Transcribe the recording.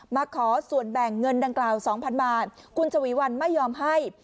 มาขอส่วนแบ่งเงินดังกล่าว๒๐๐บาทคุณชวีวันไม่ยอมให้